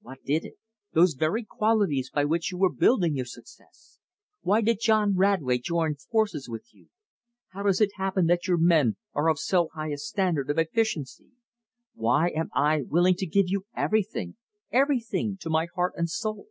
What did it? Those very qualities by which you were building your success. Why did John Radway join forces with you? How does it happen that your men are of so high a standard of efficiency? Why am I willing to give you everything, EVERYTHING, to my heart and soul?